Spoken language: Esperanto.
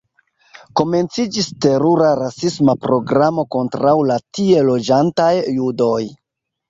Komenciĝis terura rasisma programo kontraŭ la tie loĝantaj judoj.